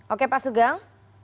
oke pak sugeng